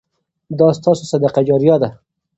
دا ستاسو صدقه جاریه ده.